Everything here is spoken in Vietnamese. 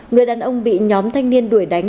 người đàn ông bị nhóm thanh niên đuổi đánh